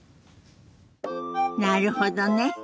なるほどね。